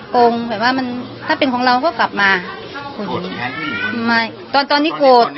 โกงแบบว่ามันถ้าเป็นของเราก็กลับมาไม่ตอนตอนนี้โกรธ